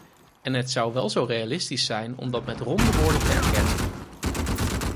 En het zou wel zo realistisch zijn om dat met ronde woorden te erkennen.